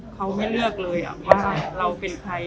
เขาไม่เลือกเลยว่าเราเป็นใคร